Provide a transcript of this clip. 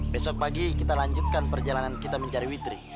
besok pagi kita lanjutkan perjalanan kita mencari witri